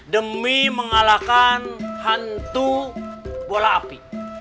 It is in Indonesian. demi mengalahkan hantu bola api